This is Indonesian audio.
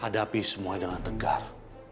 hadapi semuanya dengan tegar